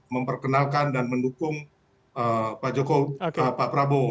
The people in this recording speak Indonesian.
memperkenalkan dan mendukung pak prabowo